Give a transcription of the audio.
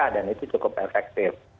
dan itu cukup efektif